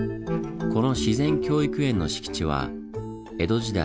この自然教育園の敷地は江戸時代